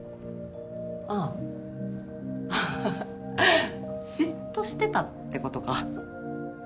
あハハッ嫉妬してたってことか。